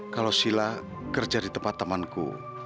kalau sila kerja di tempat temanku